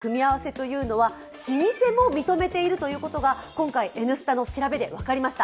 実は牛乳とあんパンの組み合わせというのは老舗も認めているというのが今回、「Ｎスタ」の調べで分かりました。